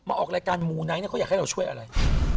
ออกรายการมูไนท์เนี่ยเขาอยากให้เราช่วยอะไร